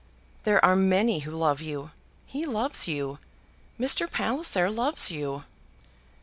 "There are many who love you. He loves you. Mr. Palliser loves you."